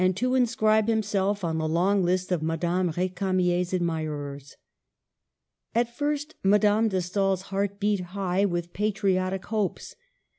to inscribe himself on the long list of Madame R^camier's admirers. At first Madame de Stael's heart beat high with patriotic hopes.